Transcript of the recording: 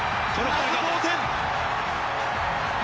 まず同点。